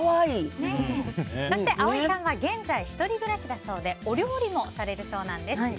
葵さんは現在１人暮らしだそうでお料理もされるそうなんです。